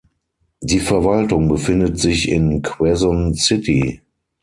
Die Verwaltung befindet sich in Quezon City.